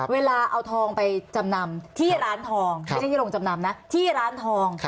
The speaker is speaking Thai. เวลาเอาทองไปจำนำที่ร้านทองไม่ใช่ที่โรงจำนำนะที่ร้านทอง